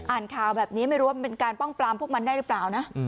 อ่านข่าวแบบนี้ไม่รู้ว่ามันเป็นการป้องปรามพวกมันได้หรือเปล่านะ